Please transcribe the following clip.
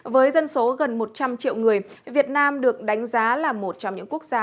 với dân số gần một trăm linh triệu người việt nam được đánh giá là một trong những quốc gia